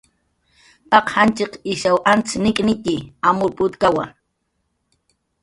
Paq janchiq ishaw antz nik'nitxi, amur putkawa